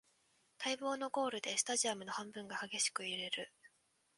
待望のゴールでスタジアムの半分が激しく揺れる